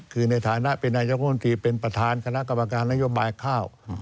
คือในฐานะเป็นนายกรมตรีเป็นประธานคณะกรรมการนโยบายข้าว